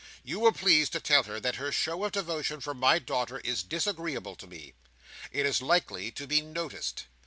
You will please to tell her that her show of devotion for my daughter is disagreeable to me. It is likely to be noticed.